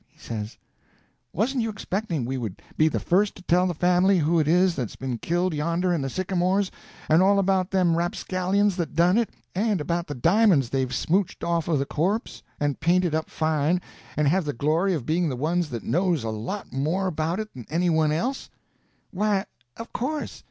he says. "Wasn't you expecting we would be the first to tell the family who it is that's been killed yonder in the sycamores, and all about them rapscallions that done it, and about the di'monds they've smouched off of the corpse, and paint it up fine, and have the glory of being the ones that knows a lot more about it than anybody else?" "Why, of course.